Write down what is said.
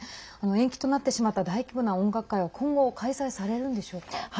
延期となってしまった大規模な音楽会は今後開催されるんでしょうか？